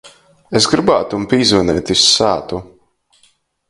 Es grybātum pīzvaneit iz sātu.